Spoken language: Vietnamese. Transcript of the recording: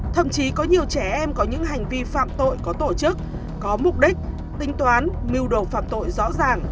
thậm chí có nhiều trẻ em có những hành vi phạm tội có tổ chức có mục đích tính toán mưu đồ phạm tội rõ ràng